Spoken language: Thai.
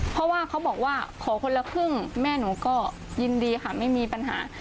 เพราะว่าเขาบอกว่าขอคนละครึ่งแม่หนูก็ยินดีค่ะไม่มีปัญหา